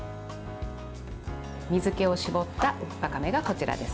水けを絞ったわかめがこちらです。